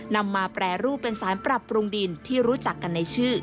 นำมาแปรรูปเป็นสารปรับปรุงดินที่รู้จักกันในชื่อ